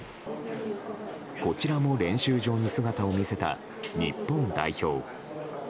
こちらも練習場に姿を見せた日本代表。